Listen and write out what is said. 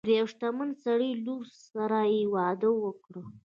د یو شتمن سړي لور سره یې واده وکړ.